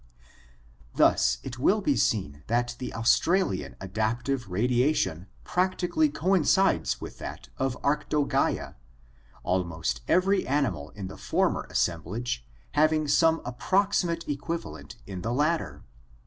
Thus it will be seen that the Australian adaptive radiation prac tically coincides with that of Arctogaea, almost every animal in the former assemblage having some approximate equivalent in the latter.